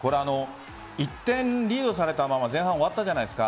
１点リードされたまま前半終わったじゃないですか。